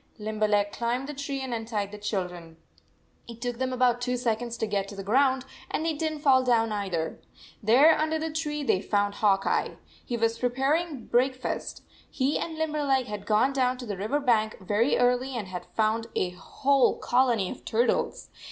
Limberleg climbed the tree and untied the children. It took them about two sec onds to get to the ground, and they did n t fall down either. There under the tree they found Hawk Eye. He was preparing break fast. He and Limberleg had gone down to the river bank very early and had found a whole colony of turtles.